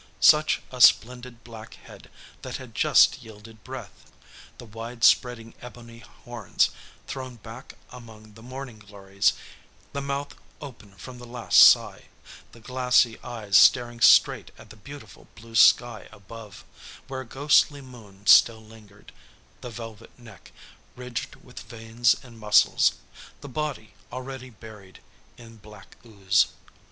Such a splendid black head that had just yielded breath! The wide spreading ebony horns thrown back among the morning glories, the mouth open from the last sigh, the glassy eyes staring straight at the beautiful blue sky above, where a ghostly moon still lingered, the velvet neck ridged with veins and muscles, the body already buried in black ooze.